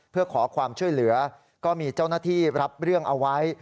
เพื่อขอความช่วยเหลือก็มีเจ้าหน้าที่รับเรื่องเอาไว้